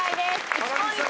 １ポイント